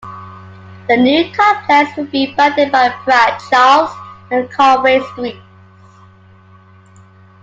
The new complex will be bounded by Pratt, Charles and Conway Streets.